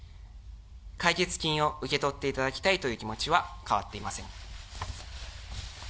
解決金を受け取っていただきたいという気持ちは変わっていません。